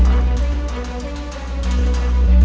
aku akan membuatmu mati